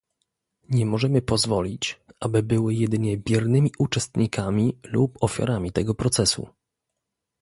Nie możemy pozwolić, aby były jedynie biernymi uczestnikami lub ofiarami tego procesu